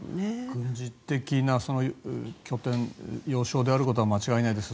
軍事的な拠点要衝であることは間違いないです。